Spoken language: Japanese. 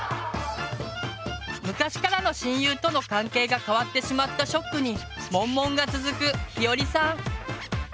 昔からの親友との関係が変わってしまったショックにモンモンが続くひよりさん。